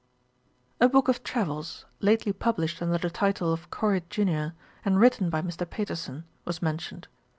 A book of travels, lately published under the title of Coriat Junior, and written by Mr. Paterson, was mentioned.